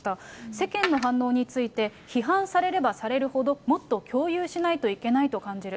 世間の反応について、批判されればされるほど、もっと共有しないといけないと感じる。